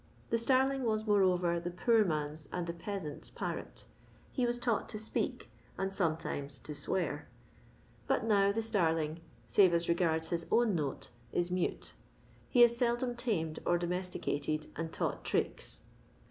The starling was moreover the poor man's and the peasant's parrot. He was taught to speak, and sometimes to swear. But now the starling, save as re gards his own note, is mute. He is seldom tamed or domesticated and taught tricks.